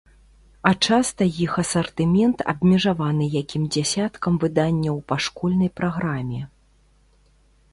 А часта іх асартымент абмежаваны якім дзясяткам выданняў па школьнай праграме.